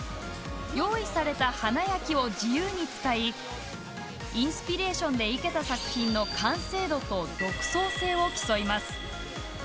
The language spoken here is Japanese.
用意された花や木を自由に使いインスピレーションで生けた作品の完成度と独創性を競います。